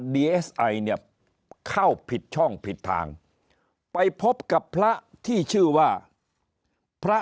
ดีเอสไอเนี่ยเข้าผิดช่องผิดทางไปพบกับพระที่ชื่อว่าพระ